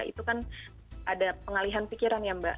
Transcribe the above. itu kan ada pengalihan pikiran ya mbak